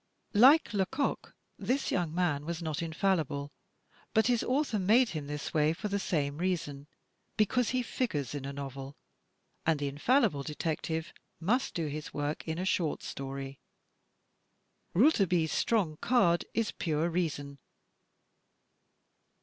Like Lecoq, this young man was not infallible; but his author made him this way for the same reason. Because he figures in a novel, and the infallible detective must do his work in a short story. Rouletabille's strong card is pure reason.